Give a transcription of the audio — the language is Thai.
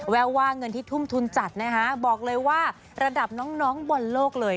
แววว่าเงินที่ทุ่มทุนจัดนะคะบอกเลยว่าระดับน้องบอลโลกเลย